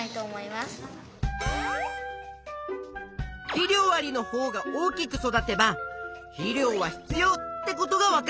「肥料あり」のほうが大きく育てば「肥料は必要」ってことがわかるんだね。